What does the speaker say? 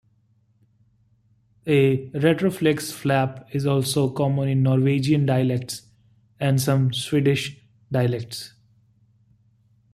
A retroflex flap is also common in Norwegian dialects and some Swedish dialects.